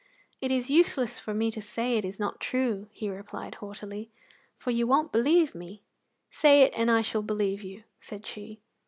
"It is useless for me to say it is not true," he replied haughtily, "for you won't believe me." "Say it and I shall believe you," said she.